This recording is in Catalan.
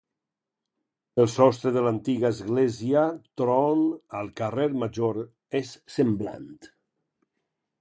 El sostre de l'antiga església Tron al Carrer Major és semblant.